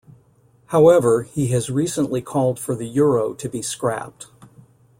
However, he has recently called for the euro to be scrapped.